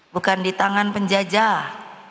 bukan di tangan penjajah